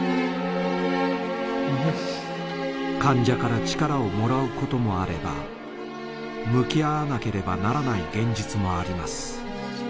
患者から力をもらうこともあれば向き合わなければならない現実もあります。